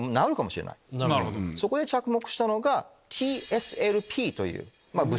そこで着目したのが。